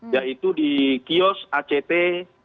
yaitu di kios act satu ratus empat puluh sembilan di lantai dua